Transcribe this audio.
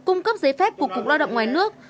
cung cấp giấy phép của cục lao động ngoài nước